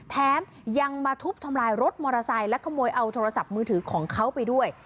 แถมยังมาทุบทำลายรถมอเตอร์ไซค์และขโมยเอาโทรศัพท์มือถือของเขาไปด้วย